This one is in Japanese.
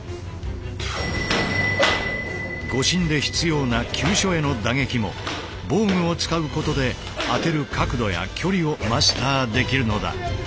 護身で必要な急所への打撃も防具を使うことで当てる角度や距離をマスターできるのだ。